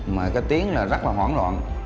mà cái tiếng là rất là hoảng loạn